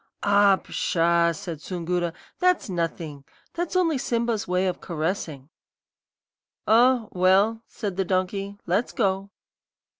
"'Ah, pshaw!' said Soongoora; 'that's nothing. That's only Simba's way of caressing.' "'Oh, well,' said the donkey, 'let's go.'